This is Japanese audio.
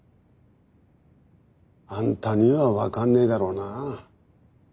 あんたには分かんねえだろうな。